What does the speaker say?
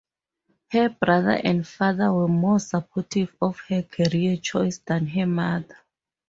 Her brother and father were more supportive of her career choice than her mother.